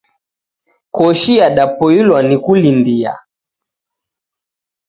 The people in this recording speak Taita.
Koshi yadapoilwa ni kulindia.